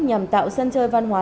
nhằm tạo sân chơi văn hóa